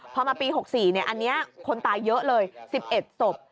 พอมาปี๖๔อันนี้คนตายเยอะเลย๑๑ศพ